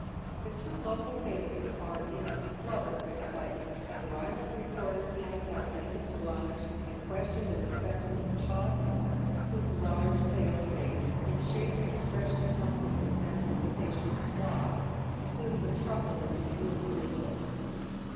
The two local papers are in a flutter of excitement, and rival reporters hang about Lancaster Lodge and question the respectable Podmore, whose large pale face — in shape and expres sion somewhat resembling the station clock — assumes a ti'oubled and bewildered look.